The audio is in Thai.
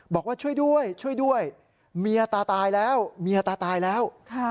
บอกว่าช่วยด้วยช่วยด้วยเมียตาตายแล้ว